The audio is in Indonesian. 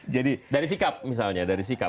jadi dari sikap misalnya